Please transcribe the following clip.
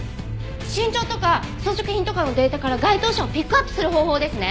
身長とか装飾品とかのデータから該当者をピックアップする方法ですね。